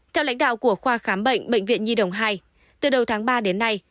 theo lãnh đạo của khoa khám bệnh bệnh viện nhi đồng hai từ đầu tháng ba đến nay